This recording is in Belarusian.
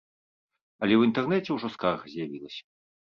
Але ў інтэрнэце ўжо скарга з'явілася.